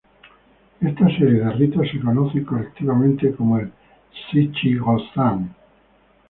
Esta serie de ritos se conocen colectivamente como el Shichi-Go-San.